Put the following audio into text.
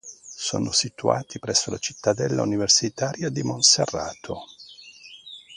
Sono situati presso la Cittadella universitaria di Monserrato.